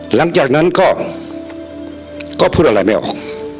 หลังจากนั้นก็พูดอะไรไม่ออก